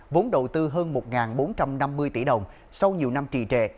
vốn đầu tư hơn một bốn trăm năm mươi tỷ đồng sau nhiều năm trì trệ